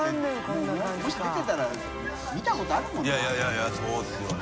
もし出てたら見たことあるもんなそうですよね。